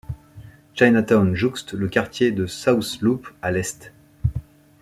Chinatown jouxte le quartier de South Loop à l'est.